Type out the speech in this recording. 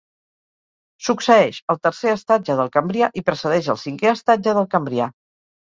Succeeix el tercer estatge del Cambrià i precedeix el cinquè estatge del Cambrià.